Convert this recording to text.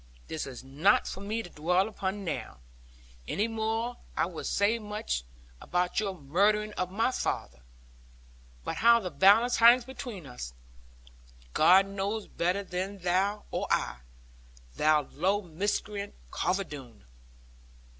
This is not for me to dwell upon now; any more than I would say much about your murdering of my father. But how the balance hangs between us, God knows better than thou or I, thou low miscreant, Carver Doone.'